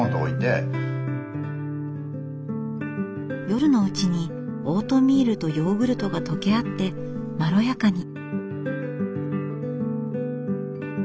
夜のうちにオートミールとヨーグルトが溶け合ってまろやかに。